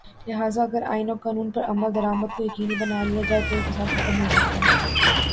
لہذا اگر آئین اور قانون پر عمل درآمد کو یقینی بنا لیا جائے تویہ فساد ختم ہو سکتا ہے۔